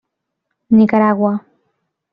Nicaragua.